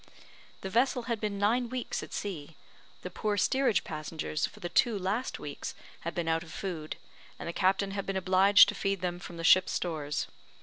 The vessel had been nine weeks at sea; the poor steerage passengers for the two last weeks had been out of food, and the captain had been obliged to feed them from the ship's stores.